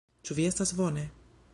Ĉu vi estas bone?